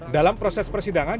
dalam proses persidangan